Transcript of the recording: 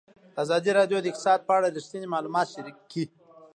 ازادي راډیو د اقتصاد په اړه رښتیني معلومات شریک کړي.